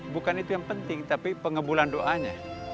bukan itu yang penting tapi pengebulan doanya